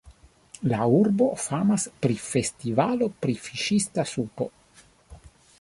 La urbo famas pri festivalo pri fiŝista supo.